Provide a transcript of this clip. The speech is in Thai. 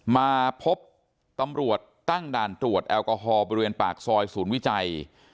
มาพบตำรวจตั้งด่านตรวจแอลกอฮอลบริเวณปากซอยศูนย์วิจัย